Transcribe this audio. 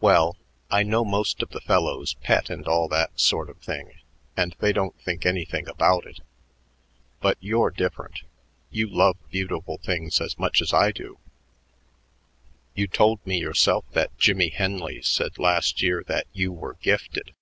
"Well, I know most of the fellows pet and all that sort of thing, and they don't think anything about it. But you're different; you love beautiful things as much as I do. You told me yourself that Jimmie Henley said last year that you were gifted.